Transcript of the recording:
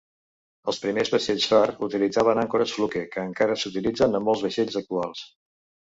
Els primers vaixells far utilitzaven àncores fluke, que encara s'utilitzen en molts vaixells actuals.